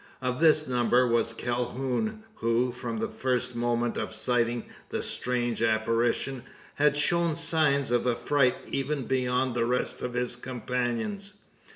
Of this number was Calhoun, who, from the first moment of sighting the strange apparition, had shown signs of affright even beyond the rest of his companions.